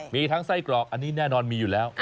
มีทั้งไส้กรอกอันนี้แน่นอนมีอยู่แล้ว